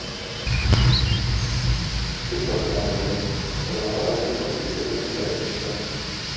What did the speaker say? Итлек башына кунды, тырнаклары белән тотып итлекне күтәреп очты.